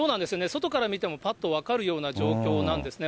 外から見てもぱっと分かるような状況なんですね。